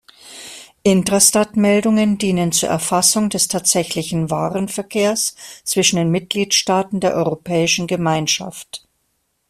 Intrastat-Meldungen dienen zur Erfassung des tatsächlichen Warenverkehrs zwischen den Mitgliedstaaten der Europäischen Gemeinschaft.